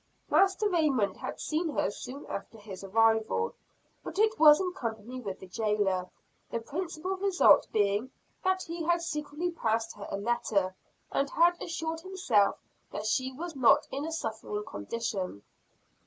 Master Raymond had seen her soon after his arrival, but it was in company with the jailer; the principal result being that he had secretly passed her a letter, and had assured himself that she was not in a suffering condition.